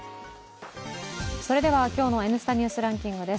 それでは今日の「Ｎスタ・ニュースランキング」です。